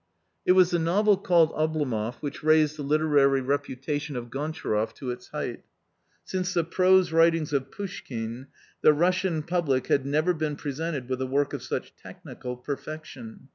" It was the novel called Oblomoff which raised the literary reputation of Gontcharoff to its height. Since the prose writings of Pouschkine, the Russian public had never been presented with a work of such technical perfection.